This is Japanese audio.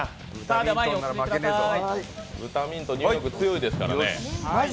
ブタミントン、ニューヨーク、強いですからね。